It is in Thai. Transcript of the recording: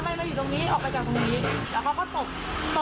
ขวดเจียบบ้านเจียบบ้านเสร็จก็